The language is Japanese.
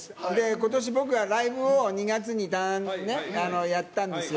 ことし、僕がライブを２月にやったんですよ。